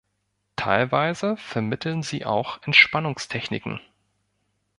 Teilweise vermitteln sie auch Entspannungstechniken.